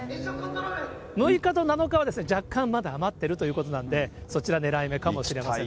６日と７日は若干まだ余ってるということなんで、そちら、ねらい目かもしれません。